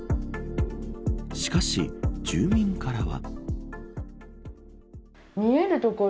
しかし、住民からは。